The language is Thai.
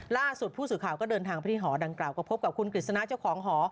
ล่าสุดผู้สื่อข่าวก็เดินทางไปที่หอดังกล่าก็พบกับคุณกฤษณะเจ้าของหอ